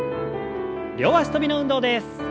両脚跳びの運動です。